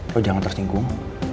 lo jangan tersinggung